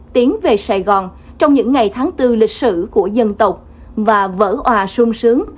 tiến về sài gòn trong những ngày tháng bốn lịch sử của dân tộc và vỡ hòa sung sướng